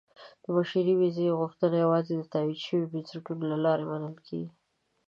• د بشري ویزې غوښتنه یوازې د تایید شویو بنسټونو له لارې منل کېږي.